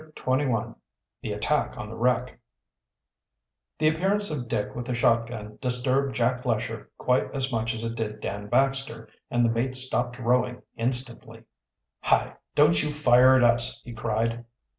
CHAPTER XXI THE ATTACK ON THE WRECK The appearance of Dick with the shot gun disturbed Jack Lesher quite as much as it did Dan Baxter, and the mate stopped rowing instantly. "Hi! don't you fire at us!" he cried.